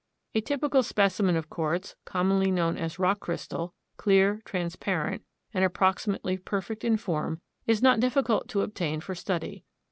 A typical specimen of quartz, commonly known as "rock crystal," clear, transparent and approximately perfect in form, is not difficult to obtain for study.